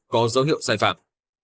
có dấu hiệu sai phạm